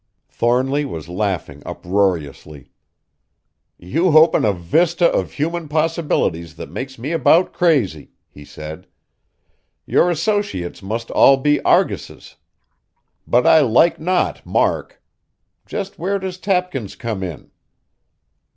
Thornly was laughing uproariously. "You open a vista of human possibilities that makes me about crazy," he said. "Your associates must all be Arguses; but I like not Mark! Just where does Tapkins come in?"